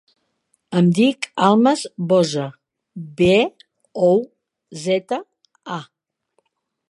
Em dic Almas Boza: be, o, zeta, a.